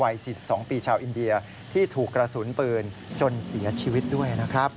อินเดียที่ถูกกระสุนปืนจนเสียชีวิตด้วยนะครับ